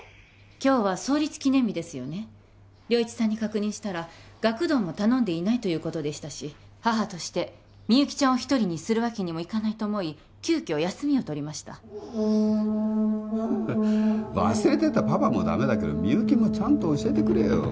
今日は創立記念日ですよね良一さんに確認したら学童も頼んでいないということでしたし母としてみゆきちゃんを一人にするわけにもいかないと思い急きょ休みを取りましたハハ忘れてたパパもダメだけどみゆきもちゃんと教えてくれよ